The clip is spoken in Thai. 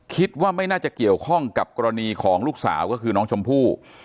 คิดว่าไม่น่าจะเกี่ยวข้องกับกรณีของลูกสาวก็คือน้องชมพู่